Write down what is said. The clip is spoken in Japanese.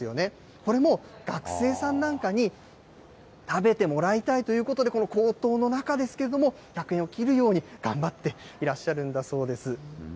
これも学生さんなんかに食べてもらいたいということで、この高騰の中ですけれども、１００円を切るように頑張っていらっしゃるんだそうです。